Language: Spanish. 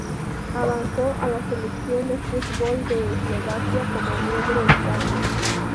Avanzó a la selección de fútbol de Eslovaquia como miembro estable.